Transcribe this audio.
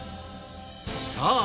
さあ！